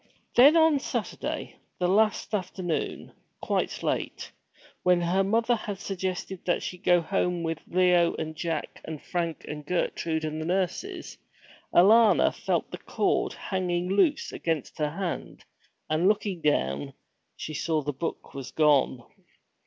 Then on Saturday, the last afternoon, quite late, when her mother had suggested that she go home with Leo and Jack and Frank and Gertrude and the nurses, Alanna felt the cord hanging loose against her hand, and looking down, saw that the book was gone.